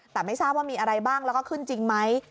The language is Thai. แต่ไม่ทราบว่ามีอะไรบ้างแล้วก็ขึ้นจริงไหม